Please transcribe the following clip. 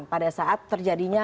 pada saat terjadinya